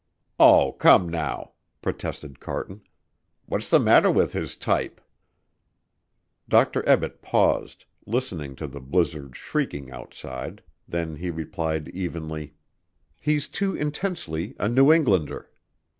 "Oh, come now," protested Carton. "What's the matter with his type?" Dr. Ebbett paused, listening to the blizzard's shrieking outside, then he replied evenly: "He's too intensely a New Englander.